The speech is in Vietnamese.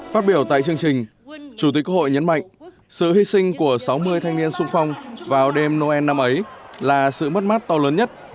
phát biểu tại chương trình chủ tịch quốc hội nhấn mạnh sự hy sinh của sáu mươi thanh niên sung phong vào đêm noel năm ấy là sự mất mát to lớn nhất về người của lực lượng thanh niên